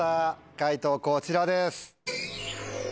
解答こちらです。